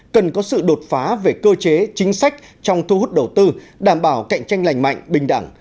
cần có sự đột phá về cơ chế chính sách trong thu hút đầu tư đảm bảo cạnh tranh lành mạnh bình đẳng